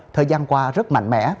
thời gian qua rất mạnh mẽ